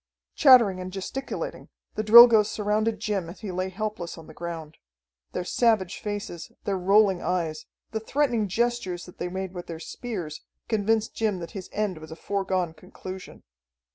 Chattering and gesticulating, the Drilgoes surrounded Jim as he lay helpless on the ground. Their savage faces, their rolling eyes, the threatening gestures that they made with their spears, convinced Jim that his end was a foregone conclusion.